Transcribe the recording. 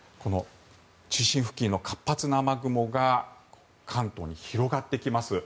中心付近の活発な雨雲が関東に広がってきます。